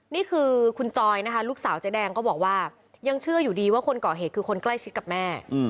นี่คือคุณจอยนะคะลูกสาวเจ๊แดงก็บอกว่ายังเชื่ออยู่ดีว่าคนก่อเหตุคือคนใกล้ชิดกับแม่